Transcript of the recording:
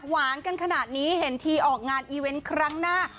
กันขนาดนี้เห็นทีออกงานอีเวนต์ครั้งหน้า